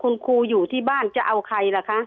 คุณครูอยู่ที่บ้านจะเอาใครล่ะคะ